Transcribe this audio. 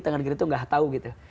tangan kiri tuh gak tahu gitu